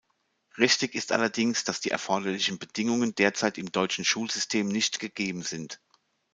Richtig ist allerdings, dass die erforderlichen Bedingungen derzeit im deutschen Schulsystem nicht gegeben sind.